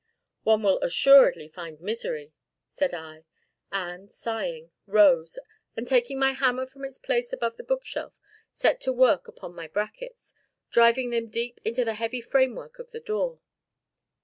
"One will assuredly find misery!" said I, and, sighing, rose, and taking my hammer from its place above my bookshelf, set to work upon my brackets, driving them deep into the heavy framework of the door.